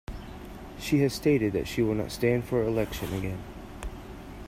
She has stated that she will not stand for election again.